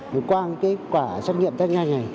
với quan kết quả xét nghiệm tét nhanh này